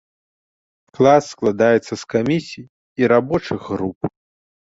Клас складаецца з камісій і рабочых груп.